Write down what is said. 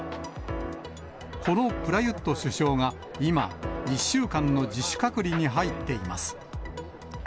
このプラユット首相が今、１週間の自主隔離に入っています。